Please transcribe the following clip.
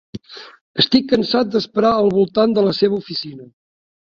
Estic cansat d"esperar al voltant de la seva oficina.